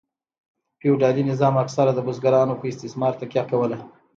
فیوډالي نظام اکثره د بزګرانو په استثمار تکیه کوله.